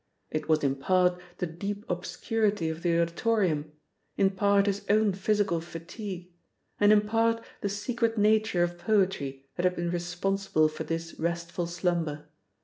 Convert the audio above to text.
It was in part the deep obscurity of the auditorium, in part his own physical fatigue, and in part the secret nature of poetry that had been responsible for this restful slumber.